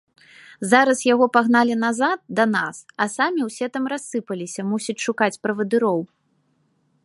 Зараз яго пагналі назад, да нас, а самі ўсе там рассыпаліся, мусіць, шукаць правадыроў.